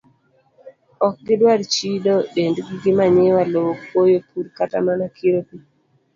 Ok gidwar chido dendgi gi manyiwa, lowo, kuoyo, pur, kata mana kiro pi.